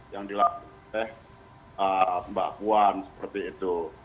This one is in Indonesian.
yang dilakukan oleh mbak puan seperti itu